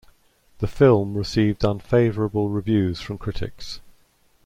The film received unfavorable reviews from critics.